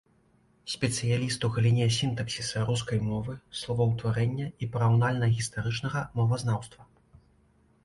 Спецыяліст у галіне сінтаксіса рускай мовы, словаўтварэння і параўнальна-гістарычнага мовазнаўства.